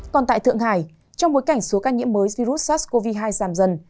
còn tại thượng hải trong bối cảnh số ca nhiễm mới virus sars cov hai giảm dần